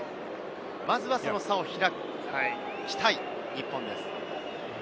まずはその差を開きたい日本です。